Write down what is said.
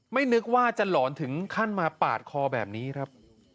นึกว่าจะหลอนถึงขั้นมาปาดคอแบบนี้ครับ